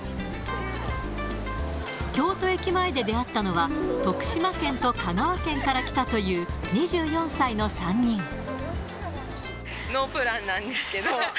京都駅前で出会ったのは、徳島県と香川県から来たという２４歳のノープランなんですけど。